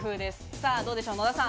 さぁどうでしょう、野田さん。